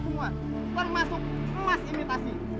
termasuk emas imitasi